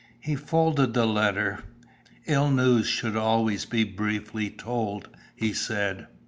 He folded the letter. "Ill news should always be briefly told," he said.